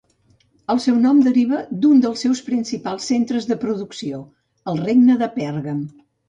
El seu nom deriva d'un dels seus principals centres de producció: el regne de Pèrgam.